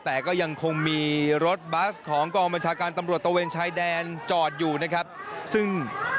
แต่ก็ยังคงมีรถบัสของกองบัญชาการตำรวจตะเวนชายแดนจอดอยู่นะครับซึ่ง